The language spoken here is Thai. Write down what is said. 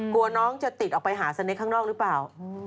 กลัวน้องจะติดออกไปหาสเนคข้างนอกหรือเปล่า